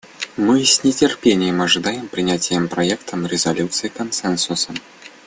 Мы с нетерпением ожидаем принятия проекта резолюции консенсусом.